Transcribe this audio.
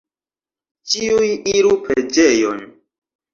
Ĉiuj iru preĝejon!